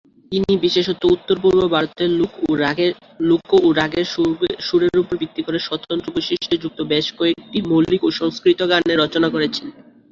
তিনি বিশেষত উত্তর-পূর্ব ভারতের লোক ও রাগের সুরের উপর ভিত্তি করে স্বতন্ত্র বৈশিষ্ট্যযুক্ত বেশ কয়েকটি মৌলিক সংস্কৃত গানের রচনা করেছেন।